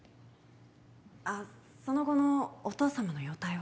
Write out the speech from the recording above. あその後のお父様の容体は？